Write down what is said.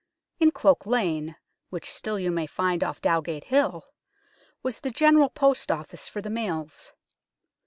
In Cloak Lane, which still you may find off Dowgate Hill, was the General Post Office for the mails.